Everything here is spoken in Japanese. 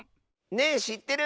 「ねぇしってる？」。